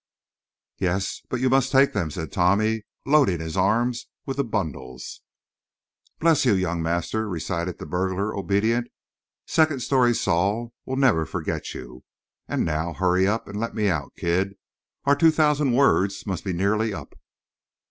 "Yes, but you must take them," said Tommy, loading his arms with the bundles. "Bless you, young master!" recited the burglar, obedient. "Second Story Saul will never forget you. And now hurry and let me out, kid. Our 2,000 words must be nearly up."